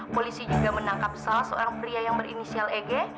polisi juga menangkap salah seorang pria yang berinisial eg